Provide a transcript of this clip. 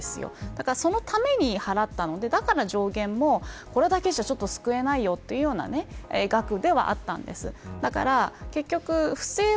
だから、そのために払ったのでだから上限もこれだけじゃ救えないよという額ではあったんです。